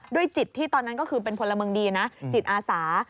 จิตที่ตอนนั้นก็คือเป็นพลเมืองดีนะจิตอาสา